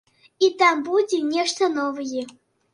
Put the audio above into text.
І там будзе нешта новае.